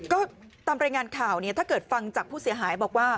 ก็ตามรายงานข่าวเนี่ยถ้าเกิดฟังจากผู้เสียหายบอกว่า